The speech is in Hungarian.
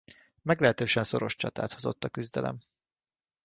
Meglehetősen szoros csatát hozott a küzdelem.